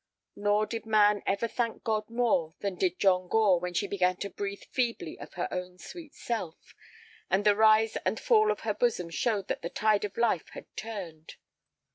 Nor did man ever thank God more than did John Gore when she began to breathe feebly of her own sweet self, and the rise and fall of her bosom showed that the tide of life had turned.